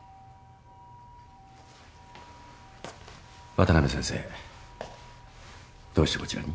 渡辺先生どうしてこちらに？